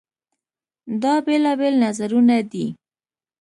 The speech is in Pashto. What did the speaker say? دا بېلابېل نظرونه دي.